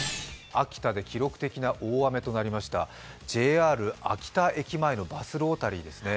秋田で記録的な大雨となりましたＪＲ秋田駅前のバスロータリーですね。